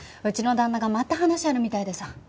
うちの旦那がまた話あるみたいでさ。